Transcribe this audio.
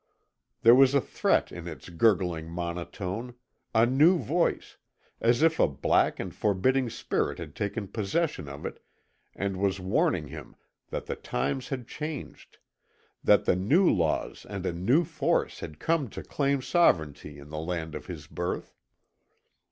There was a threat in its gurgling monotone a new voice, as if a black and forbidding spirit had taken possession of it and was warning him that the times had changed, and that new laws and a new force had come to claim sovereignty in the land of his birth.